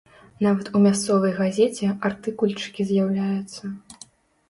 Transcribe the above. Нават у мясцовай газеце артыкульчыкі з'яўляюцца.